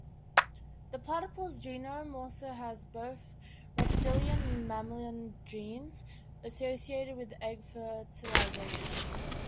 The platypus genome also has both reptilian and mammalian genes associated with egg fertilisation.